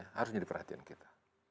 harus jadi perhatian kita